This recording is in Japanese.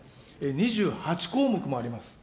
２８項目もあります。